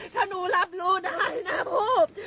ถ้าหนูรับรู้ได้นะพูด